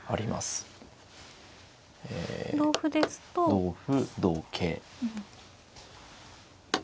同歩同桂。